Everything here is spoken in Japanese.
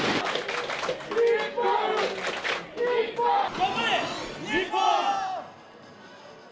頑張れ、日本！